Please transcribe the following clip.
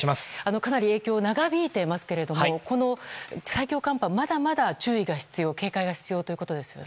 かなり影響が長引いていますがこの最強寒波はまだまだ注意が必要警戒が必要ということですよね。